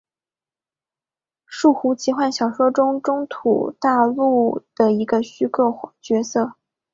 树胡奇幻小说中土大陆的一个虚构角色。